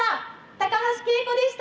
高橋佳子でした。